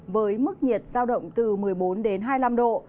với mức nhiệt giao động từ một mươi bốn đến hai mươi năm độ